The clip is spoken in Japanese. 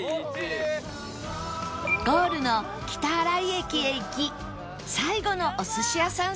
ゴールの北新井駅へ行き最後のお寿司屋さん探し